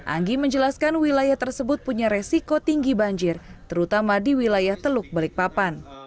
anggi menjelaskan wilayah tersebut punya resiko tinggi banjir terutama di wilayah teluk balikpapan